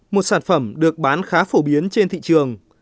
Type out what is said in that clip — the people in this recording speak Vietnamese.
một sản phẩm được bán khá phổ biến trên thị trường